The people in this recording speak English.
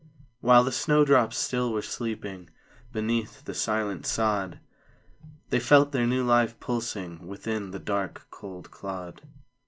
While the snow drops still were sleeping Beneath the silent sod; They felt their new life pulsing Within the dark, cold clod.